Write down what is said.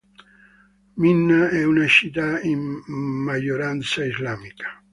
Minna è una città in maggioranza islamica.